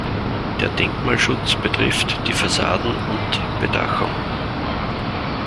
Der Denkmalschutz betrifft die Fassaden und Bedachung.